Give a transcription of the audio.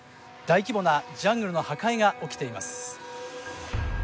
大規模なジャングルの破壊が起きています